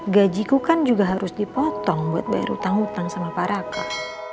gajiku kan juga harus dipotong buat bayar utang utang sama para kak